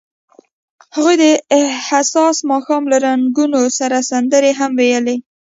هغوی د حساس ماښام له رنګونو سره سندرې هم ویلې.